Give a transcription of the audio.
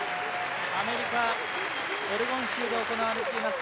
アメリカ、オレゴン州で行われています